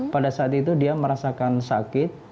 pada saat itu dia merasakan sakit